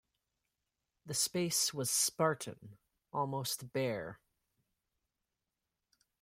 The space was spartan, almost bare.